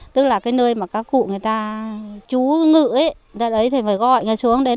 tức là cái nơi mà các cụ người ta chú ngự ấy đó đấy thì phải gọi người xuống đến